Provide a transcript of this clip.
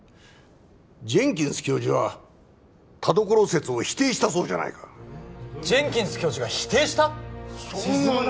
ジェンキンス教授は田所説を否定したそうじゃないかジェンキンス教授が否定した？